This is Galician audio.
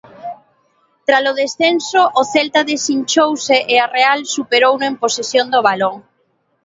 Tras o descanso, o Celta desinchouse e a Real superouno en posesión do balón.